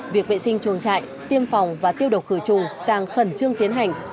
việc vệ sinh chuồng trại tiêm phòng và tiêu độc khử trùng càng khẩn trương tiến hành